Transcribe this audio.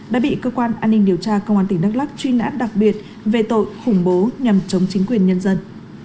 đã bị cơ quan an ninh điều tra công an tỉnh đắk lắc truy nã đặc biệt về tội khủng bố nhằm chống chính quyền nhân dân